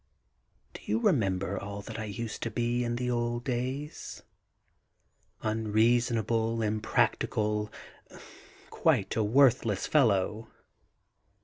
Do you remember all that I used to be in the old days? — unreasonable, impractical, quite a worthless fellow!